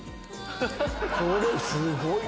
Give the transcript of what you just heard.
これすごい！